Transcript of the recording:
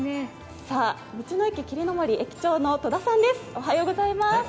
道の駅・霧の森駅長の戸田さんです。